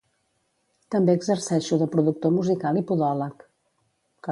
També exerceixo de productor musical i podòleg.